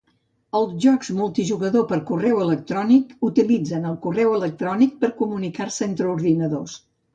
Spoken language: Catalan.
Els jocs multijugador per correu electrònic utilitzen el correu electrònic per comunicar-se entre ordinadors.